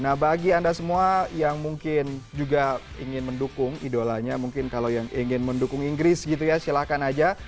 nah bagi anda semua yang mungkin juga ingin mendukung idolanya mungkin kalau yang ingin mendukung inggris gitu ya silahkan aja